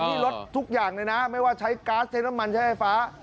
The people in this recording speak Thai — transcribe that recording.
นี่ลดทุกอย่างเลยนะไม่ว่าใช้ก๊าซใช้น้ำมันใช้ไฟฟ้า